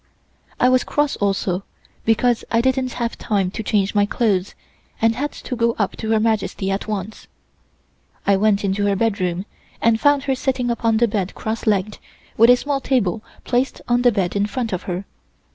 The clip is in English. I was cross also because I didn't have time to change my clothes, and had to go up to Her Majesty at once. I went into her bedroom, and found her sitting upon the bed cross legged, with a small table placed on the bed in front of her.